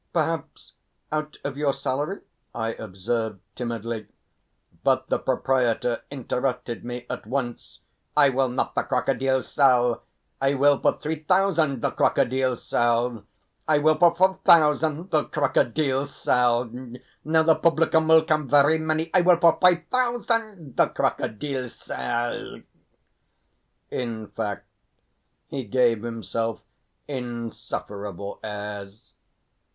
"Perhaps out of your salary...." I observed timidly, but the proprietor interrupted me at once. "I will not the crocodile sell; I will for three thousand the crocodile sell! I will for four thousand the crocodile sell! Now the publicum will come very many. I will for five thousand the crocodile sell!" In fact he gave himself insufferable airs.